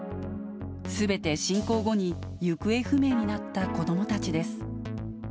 すべて侵攻後に行方不明になった子どもたちです。